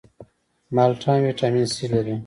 مالټه هم ویټامین سي لري